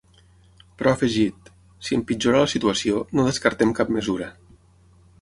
Però ha afegit: Si empitjora la situació, no descartem cap mesura.